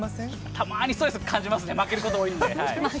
たまにストレス感じますね、負けちゃうんだ。